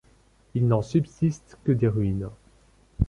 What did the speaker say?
Il n'en subsiste que des ruines.